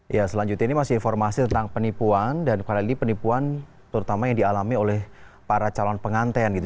ya selanjutnya ini masih informasi tentang penipuan dan kali ini penipuan terutama yang dialami oleh para calon penganten gitu